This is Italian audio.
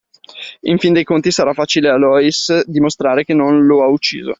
In fin dei conti, sarà facile a Loïs dimostrare che non lo ha ucciso.